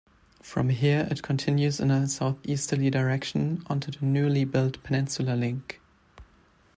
From here, it continues in a south-easterly direction onto the newly built Peninsula Link.